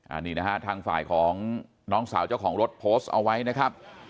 อันนี้นะฮะทางฝ่ายของน้องสาวเจ้าของรถโพสต์เอาไว้นะครับ